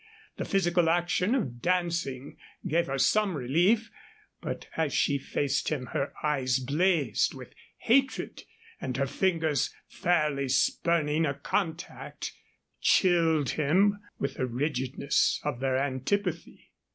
The physical action of dancing gave her some relief, but as she faced him her eyes blazed with hatred and her fingers, fairly spurning a contact, chilled him with the rigidness of their antipathy.